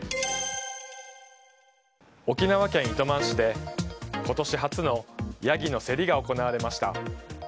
沖縄県糸満市で、今年初のヤギの競りが行われました。